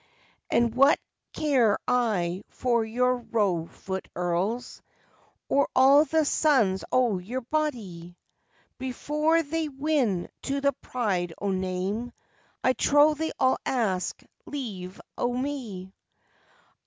"And what care I for your row foot earls, Or all the sons o' your body? Before they win to the Pride o' Name, I trow they all ask leave o' me.